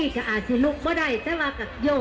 สวัสดีค่ะ